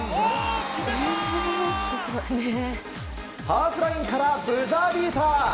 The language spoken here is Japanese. ハーフラインからブザービーター。